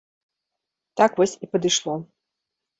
Так вось і падышло.